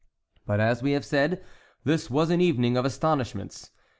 But as we have said, this was an evening of astonishments.